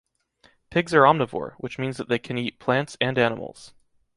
Pigs are omnivore, which means that they cal eat plants and animals.